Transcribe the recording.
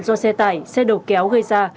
do xe tải xe đầu kéo gây ra